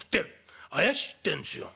怪しいってんですよ。